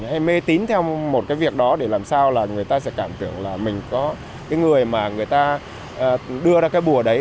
hay mê tín theo một cái việc đó để làm sao là người ta sẽ cảm tưởng là mình có cái người mà người ta đưa ra cái bùa đấy